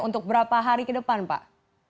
untuk berapa hari ke depan pak